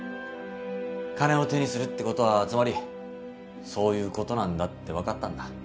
金を手にするって事はつまりそういう事なんだってわかったんだ。